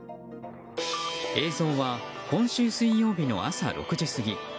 映像は今週水曜日の朝６時過ぎ。